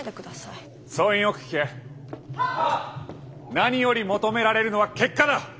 何より求められるのは結果だ。